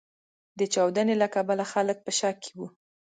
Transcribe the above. د چاودنې له کبله خلګ په شک کې و.